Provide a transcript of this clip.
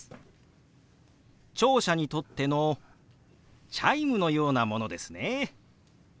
聴者にとってのチャイムのようなものですね。